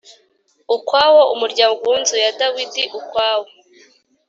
Ukwawo umuryango w inzu ya dawidi ukwawo